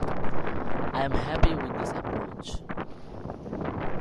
I'm happy with this approach.